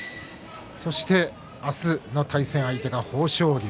そして明日の対戦相手が豊昇龍。